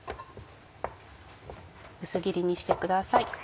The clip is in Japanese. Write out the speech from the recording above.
薄切りにしてください。